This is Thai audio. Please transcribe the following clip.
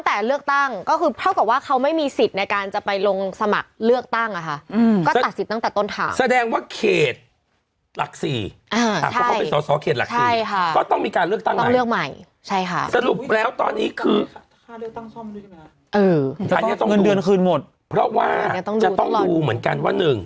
แต่เลือกตั้งก็คือเท่ากับว่าเขาไม่มีสิทธิ์ในการจะไปลงสมัครเลือกตั้งแล้วก็ตัดสิทธิ์ตั้งแต่ต้นถัง